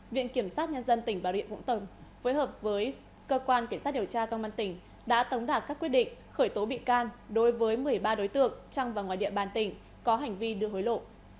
viện kiểm sát nhân dân tỉnh bà rịa vũng tàu phối hợp với cơ quan kiểm soát điều tra công an tỉnh đã tống đạt các quyết định khởi tố bị can đối với một mươi ba đối tượng trong và ngoài địa bàn tỉnh có hành vi đưa hối lộ